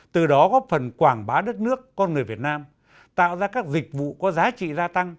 từ đó góp phần quảng bá đất nước con người việt nam tạo ra các dịch vụ có giá trị gia tăng